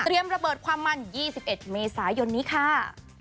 เตรียมระเบิดความมั่น๒๑เมษายนนี้ค่ะ